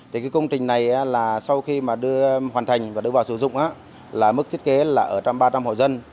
thì cái công trình này là sau khi mà đưa hoàn thành và đưa vào sử dụng là mức thiết kế là ở trong ba trăm linh hộ dân